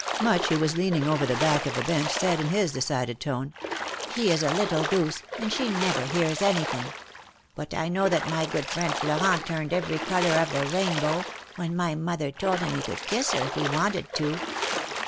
Much, who was leaning over the back of the bench, said, in his decided tone ;" She is a little goose, and she never hears anything ; but I know that my good friend Florent turned every color of the rainbow, when my mother told him he could kiss her if he wanted to."